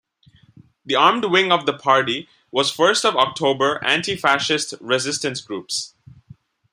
The armed wing of the party was First of October Anti-Fascist Resistance Groups.